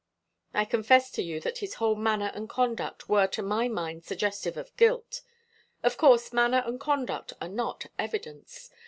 "I confess to you that his whole manner and conduct were to my mind suggestive of guilt. Of course, manner and conduct are not evidence.